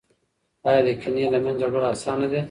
ایا د کینې له منځه وړل اسانه دي؟